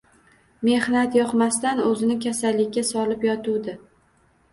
Mehnat yoqmasdan o`zini kasallikka solib yotuvdi